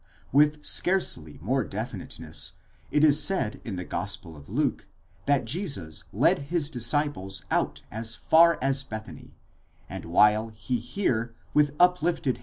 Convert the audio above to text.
With scarcely more definiteness it is said in the gospel of Luke that Jesus led his disciples out as Jar as Bethany, ἐξω ἕως cis Βηθανίαν, and while he here with uplifted hands 18 Comp.